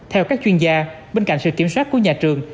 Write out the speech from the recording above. theo các chuyên gia bên cạnh sự kiểm soát của nhà trường